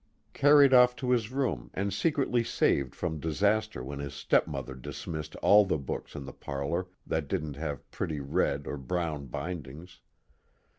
Carried off to his room and secretly saved from disaster when his stepmother dismissed all the books in the parlor that didn't have pretty red or brown bindings.